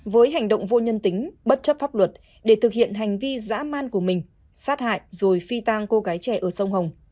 với hành động vô nhân tính bất chấp pháp luật để thực hiện hành vi giã man của mình sát hại rồi phi tang cô gái trẻ ở sông hồng